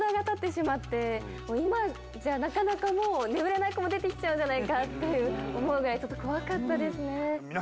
今じゃなかなかもう眠れない子も出てきちゃうんじゃないかって思うぐらいちょっと怖かったですね。